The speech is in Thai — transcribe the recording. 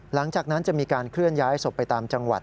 หลังจากนั้นจะมีการเคลื่อนย้ายศพไปตามจังหวัด